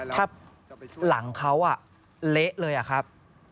ถ้าหลังเขาเละเลยอะครับ